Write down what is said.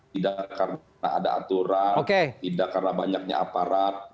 tidak karena ada aturan tidak karena banyaknya aparat